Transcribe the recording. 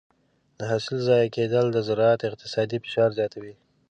د حاصل ضایع کېدل د زراعت اقتصادي فشار زیاتوي.